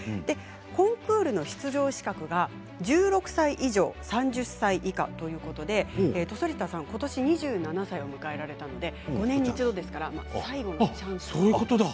コンクールの出場資格は１６歳以上３０歳以下ということで反田さん、ことし２７歳を迎えられたので、５年に一度ですから最後のチャンスでした。